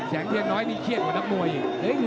เพียงน้อยนี่เครียดกว่านักมวยอีก